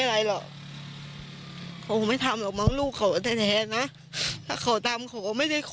ทำอะไรหน่าง